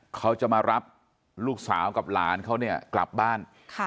เขาจะมารับลูกสาวกับหลานเขาเนี่ยกลับบ้าน